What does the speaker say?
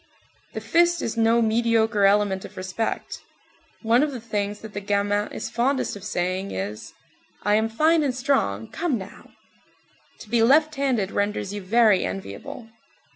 The fist is no mediocre element of respect. One of the things that the gamin is fondest of saying is: "I am fine and strong, come now!" To be left handed renders you very enviable.